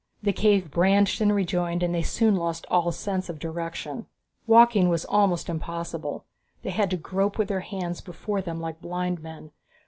The cave branched and rejoined and they soon lost all sense of direction. Walking was almost impossible. They had to grope with their hands before them like blind men.